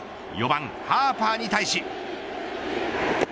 ４番、ハーパーに対し。